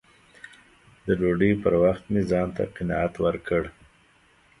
د ډوډۍ پر وخت مې ځان ته قناعت ورکړ